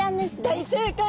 大正解！